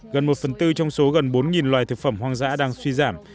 gần một phần tư trong số gần bốn loài thực phẩm hoang dã đang suy giảm